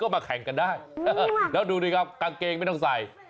มาแข่งกันได้แล้วดูดิครับกางเกงไม่ต้องใส่